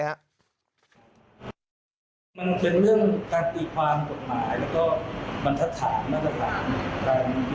นั้นเราอุดอยู่ก็ไม่ได้บ้าง